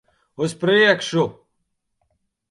Uz priekšu!